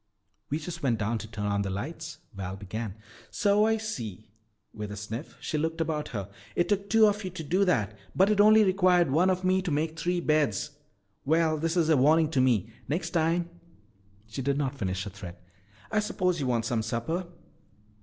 "We just went down to turn on the lights," Val began. "So I see." With a sniff she looked about her. "It took two of you to do that. But it only required one of me to make three beds. Well, this is a warning to me. Next time " she did not finish her threat. "I suppose you want some supper?"